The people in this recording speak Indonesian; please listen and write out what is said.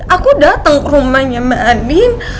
aku dateng ke rumahnya mbak andin